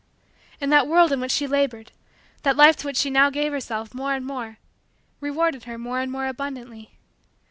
And that world in which she labored that life to which she now gave herself more and more rewarded her more and more abundantly.